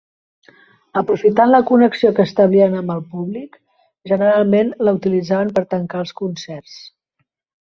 Aprofitant la connexió que establien amb el públic, generalment la utilitzaven per tancar els concerts.